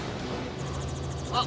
あっ！